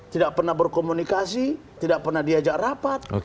tidak pernah berkomunikasi tidak pernah diajak rapat